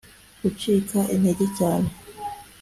gucika intege cyane